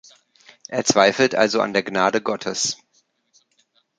Er zweifelt also an der Gnade Gottes.